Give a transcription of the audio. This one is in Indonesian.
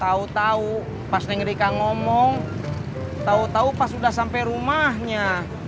tahu tahu pas nengrika ngomong tahu tahu pas udah sampai rumahnya